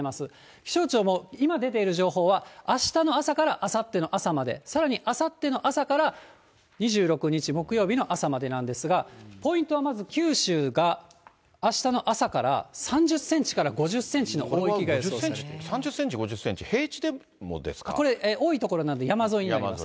気象庁も今出ている情報は、あしたの朝からあさっての朝まで、さらにあさっての朝から２６日木曜日の朝までなんですが、ポイントはまず、九州があしたの朝から３０センチから５０センチの大雪が予想され３０センチ、これ、多い所なんで山沿いになります。